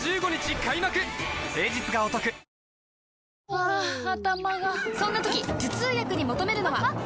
ハァ頭がそんな時頭痛薬に求めるのは？